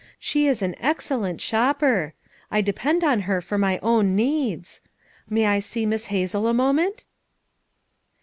She is an excellent shopper; I depend on her for my own needs. May I see Miss Hazel a moment!"